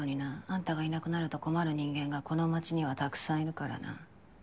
あんたがいなくなると困る人間がこの街にはたくさんいるからな。